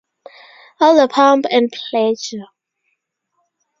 All the pomp and pleasure.